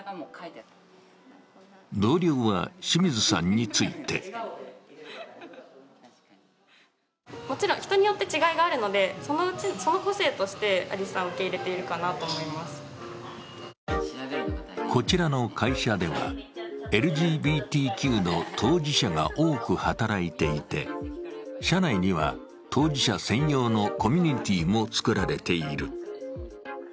同僚は清水さんについてこらちの会社ではＬＧＢＴＱの当事者が多く働いていて、社内には当事者専用のコミュニティーも作られている。